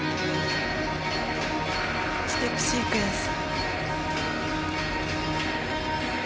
ステップシークエンス。